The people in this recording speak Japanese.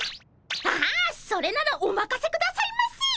ああそれならおまかせくださいませ！